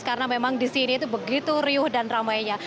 karena memang di sini itu begitu riuh dan ramainya